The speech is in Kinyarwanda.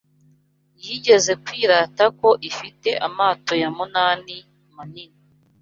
yigeze kwirata ko ifite amato ya munani manini